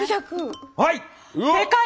はい！